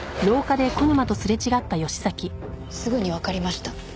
すぐにわかりました。